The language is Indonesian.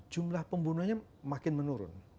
jumlah pembunuhnya makin menurun